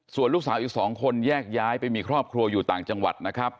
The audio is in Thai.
ส่วนลูกสาวอีก๒คนแยกย้ายไปมีครอบครัวอยู่ต่างจังหวัดนะครับ